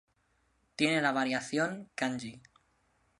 Tiene la variación 髙.